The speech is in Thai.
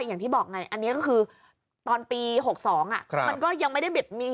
อย่างที่บอกไงอันนี้ก็คือตอนปี๖๒มันก็ยังไม่ได้บิดมี